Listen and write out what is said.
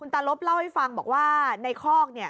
ตาลบเล่าให้ฟังบอกว่าในคอกเนี่ย